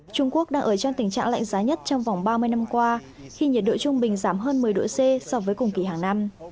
trung quốc đang ở trong tình trạng lạnh giá nhất trong vòng ba mươi năm qua khi nhiệt độ trung bình giảm hơn một mươi độ c so với cùng kỳ hàng năm